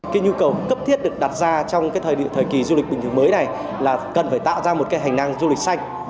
cái nhu cầu cấp thiết được đặt ra trong cái thời kỳ du lịch bình thường mới này là cần phải tạo ra một cái hành năng du lịch xanh